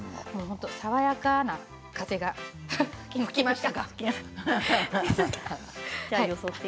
爽やかな風が吹きました。